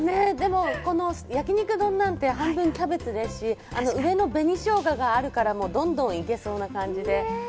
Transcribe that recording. このやきにく丼なんて、半分キャベツですし、上の紅しょうががあるからどんどん行けそうな感じで。